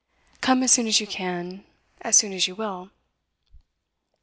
Come as soon as you can as soon as you will.